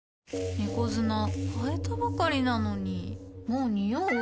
猫砂替えたばかりなのにもうニオう？